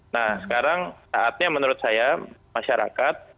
nah sekarang saatnya menurut saya masyarakat